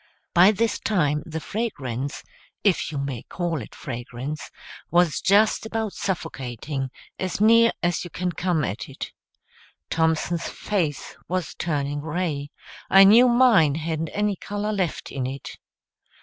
By this time the fragrance if you may call it fragrance was just about suffocating, as near as you can come at it. Thompson's face was turning gray; I knew mine hadn't any color left in it.